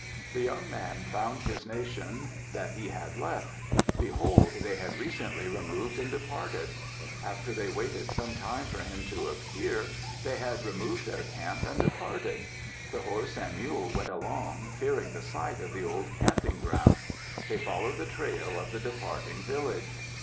The young man found his nation that he had left. Behold! they had recently removed and departed. After they waited some time for him to appear, they had removed their camp and departed. The horse and mule went along, fearing the sight of the old camping ground. They followed the trail of the departing village.